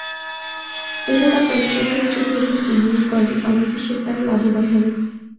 পেশাদার প্রযোজকেরা যদি এখানে বিনিয়োগ করেন, আমার বিশ্বাস তাঁরা লাভবান হবেন।